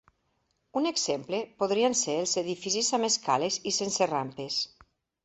Un exemple podrien ser els edificis amb escales i sense rampes.